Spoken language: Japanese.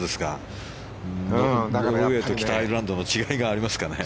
ノルウェーと北アイルランドの違いがありますかね。